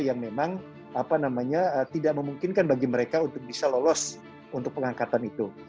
yang memang tidak memungkinkan bagi mereka untuk bisa lolos untuk pengangkatan itu